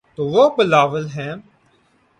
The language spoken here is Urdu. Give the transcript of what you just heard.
تو وہ بلاول ہیں۔